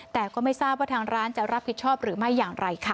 แต่ก็ไม่ทราบว่าทางร้านจะรับผิดชอบหรือไม่อย่างไรค่ะ